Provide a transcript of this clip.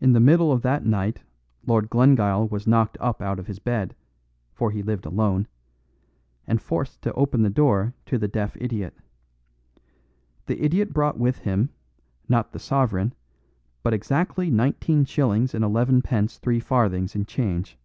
In the middle of that night Lord Glengyle was knocked up out of his bed for he lived alone and forced to open the door to the deaf idiot. The idiot brought with him, not the sovereign, but exactly nineteen shillings and eleven pence three farthings in change.